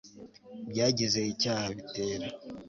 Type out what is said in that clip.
byagize icyaha bitera